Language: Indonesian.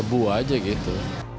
buah aja gitu